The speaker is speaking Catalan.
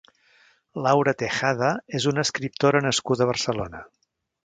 Laura Tejada és una escriptora nascuda a Barcelona.